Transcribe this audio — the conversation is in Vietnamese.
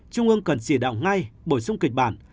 trung ương cần chỉ đạo ngay bổ sung kịch bản